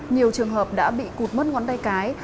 nhiều trường hợp đã bị cụt mất ngón tay cái